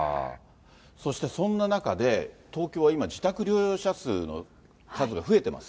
そしてそんな中で、東京は今、自宅療養者数の数が増えています。